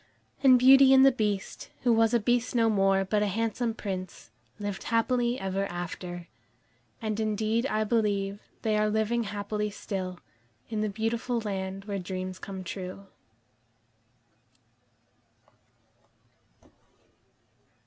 And Beauty and the Beast, who was a Beast no more, but a handsome Prince, lived happily ever after. And indeed I believe they are living happily still, in the beautiful land where dreams come true.